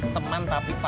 teman tapi paham